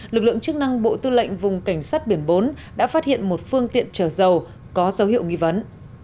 lực lượng chức năng bộ tư lệnh vùng cảnh sát biển bốn đã phát hiện một phương tiện chở dầu có dấu hiệu nghi vấn